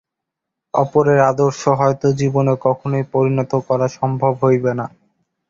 অপরের আদর্শ হয়তো জীবনে কখনই পরিণত করা সম্ভব হইবে না।